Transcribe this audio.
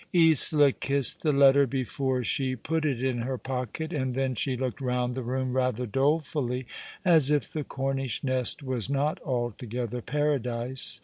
Isola kissed the letter before she put it in her pocket, and then she looked round the room rather dolefully, as if the Cornish nest were not altogether paradise.